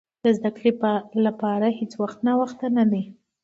د زده کړې لپاره هېڅ وخت ناوخته نه دی.